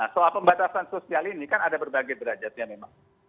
soal pembatasan sosial ini kan ada berbagai derajatnya memang